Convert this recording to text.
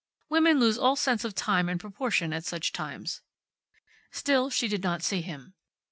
Women lose all sense of time and proportion at such times. Still she did not see him.